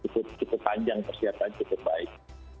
cukup panjang persiapan cukup baik